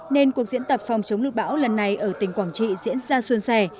nên cuộc diễn tập phòng chống lụt bão lần này ở tỉnh quảng trị diễn ra xuân xẻ